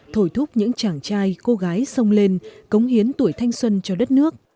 thổi thúc những chàng trai cô gái sông lên cống hiến tuổi thanh xuân cho đất nước